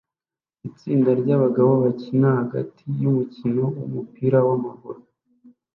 Itsinda ryabagabo bakina hagati yumukino wumupira wamaguru